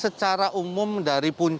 selamat pagi hendrawan